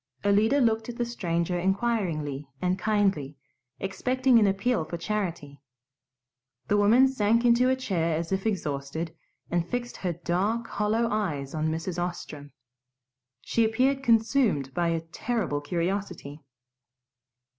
Alida looked at the stranger inquiringly and kindly, expecting an appeal for charity. The woman sank into a chair as if exhausted, and fixed her dark hollow eyes on Mrs. Ostrom. She appeared consumed by a terrible curiosity.